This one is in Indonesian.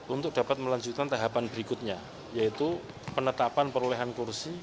untuk dapat melanjutkan tahapan berikutnya yaitu penetapan perolehan kursi